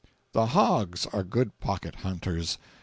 jpg (37K) The hogs are good pocket hunters.